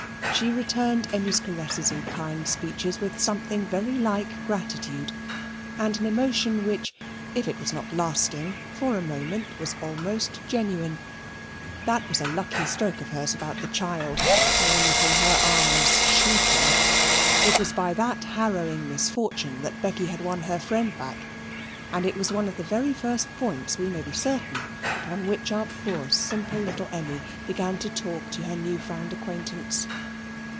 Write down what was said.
She returned Emmy's caresses and kind speeches with something very like gratitude, and an emotion which, if it was not lasting, for a moment was almost genuine. That was a lucky stroke of hers about the child "torn from her arms shrieking." It was by that harrowing misfortune that Becky had won her friend back, and it was one of the very first points, we may be certain, upon which our poor simple little Emmy began to talk to her new found acquaintance.